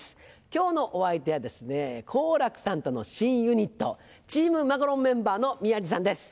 今日のお相手はですね好楽さんとの新ユニットチームマカロンメンバーの宮治さんです。